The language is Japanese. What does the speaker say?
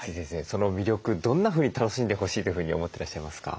その魅力どんなふうに楽しんでほしいというふうに思ってらっしゃいますか？